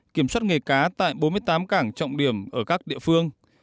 kiểm soát nghề cá tại bốn mươi tám cảng trọng điểm ở các địa phương